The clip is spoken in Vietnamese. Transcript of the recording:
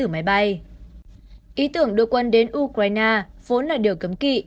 mỹ đã đưa quân đến ukraine vốn là điều cấm kỵ